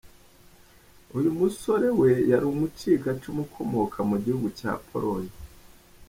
Uyu musore we yari umucikacumu ukomoka mu gihugu cya Polonye.